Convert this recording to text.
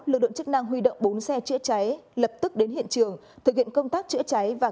lực lượng chức năng huy động bốn xe chữa cháy lập tức đến hiện trường thực hiện công tác chữa cháy và